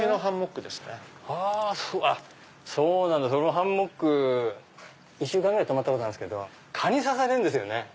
ハンモック１週間ぐらい泊まったことあるんですけど蚊に刺されるんですよね。